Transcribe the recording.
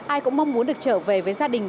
ai cũng mong muốn được trở về với gia đình